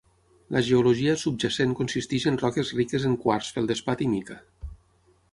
La geologia subjacent consisteix en roques riques en quars, feldspat i mica.